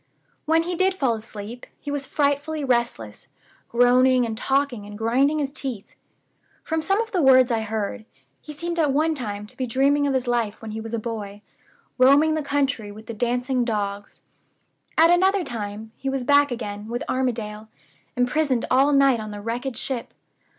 When he did fall asleep, he was frightfully restless; groaning and talking and grinding his teeth. From some of the words I heard, he seemed at one time to be dreaming of his life when he was a boy, roaming the country with the dancing dogs. At another time he was back again with Armadale, imprisoned all night on the wrecked ship.